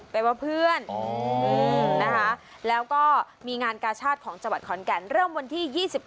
แปลว่าเพื่อนนะคะแล้วก็มีงานกาชาติของจังหวัดขอนแก่นเริ่มวันที่๒๖